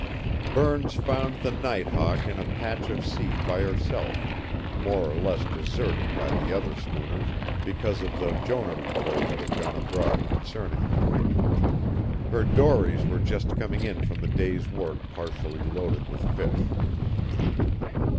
Burns found the Night Hawk in a patch of sea by herself, more or less deserted by the other schooners because of the Jonah report that had gone abroad concerning her. Her dories were just coming in from the day's work partially loaded with fish.